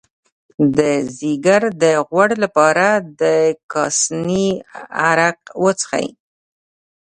د ځیګر د غوړ لپاره د کاسني عرق وڅښئ